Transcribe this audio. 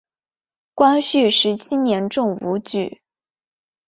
光绪十七年中武举。